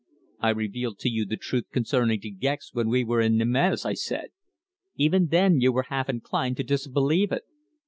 "I revealed to you the truth concerning De Gex when we were in Nîmes," I said. "Even then you were half inclined to disbelieve it.